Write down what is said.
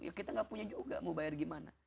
yuk kita gak punya juga mau bayar gimana